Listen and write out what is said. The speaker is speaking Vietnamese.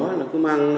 bà con này cứ mang